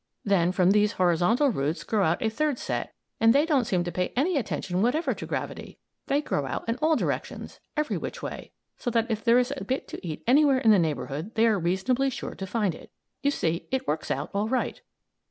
Then, from these horizontal roots, grow out a third set, and they don't seem to pay any attention whatever to gravity. They grow out in all directions every which way so that if there is a bit to eat anywhere in the neighborhood they are reasonably sure to find it. You see it works out all right.